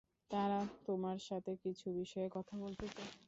তারা তোমার সাথে কিছু বিষয়ে কথা বলতে চায়।